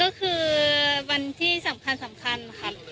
ก็คือวันที่สำคัญค่ะ